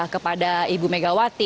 kepada ibu megawati